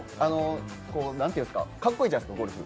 かっこいいじゃないですか、ゴルフ。